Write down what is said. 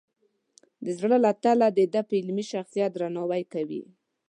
د زړه له تله د ده د علمي شخصیت درناوی کوي.